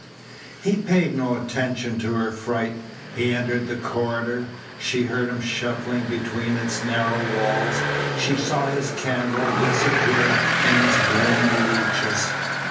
He paid no attention to her fright. He entered the corridor. She heard him shuffling between its narrow walls. She saw his candle disappear in its gloomy reaches.